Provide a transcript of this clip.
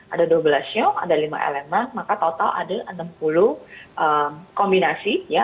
ada dua belas show ada lima elema maka total ada enam puluh kombinasi ya